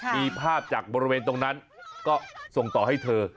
มีภาพจากบริเวณตรงนั้นก็ส่งต่อให้เธอ